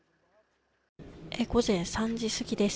午前３時過ぎです。